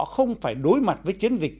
không phải đối mặt với chiến dịch